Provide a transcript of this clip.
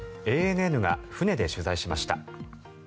ＡＮＮが船で取材しました。